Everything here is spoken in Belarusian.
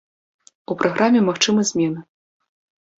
У праграме магчымы змены.